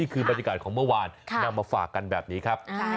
คือบรรยากาศของเมื่อวานนำมาฝากกันแบบนี้ครับ